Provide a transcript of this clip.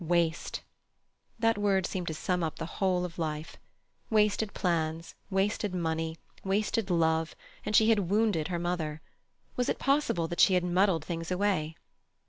Waste! That word seemed to sum up the whole of life. Wasted plans, wasted money, wasted love, and she had wounded her mother. Was it possible that she had muddled things away?